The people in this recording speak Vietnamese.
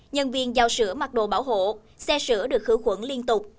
nhân viên giao sữa mặc đồ bảo hộ xe sữa được khử khuẩn liên tục